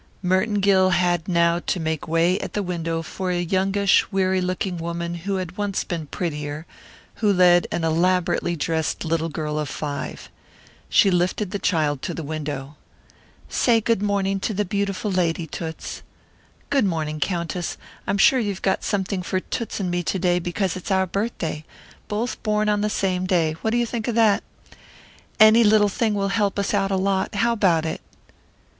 Merton Gill had now to make way at the window for a youngish, weary looking woman who had once been prettier, who led an elaborately dressed little girl of five. She lifted the child to the window. "Say good morning to the beautiful lady, Toots. Good morning, Countess. I'm sure you got something for Toots and me to day because it's our birthday both born on the same day what do you think of that? Any little thing will help us out a lot how about it?"